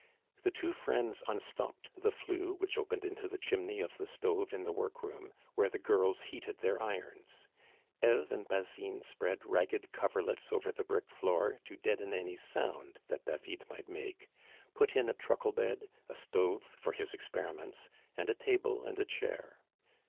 The two friends unstopped the flue which opened into the chimney of the stove in the workroom, where the girls heated their irons. Eve and Basine spread ragged coverlets over the brick floor to deaden any sound that David might make, put in a truckle bed, a stove for his experiments, and a table and a chair.